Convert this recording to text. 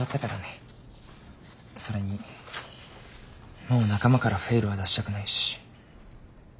それにもう仲間からフェイルは出したくないし。